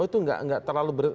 oh itu nggak terlalu ber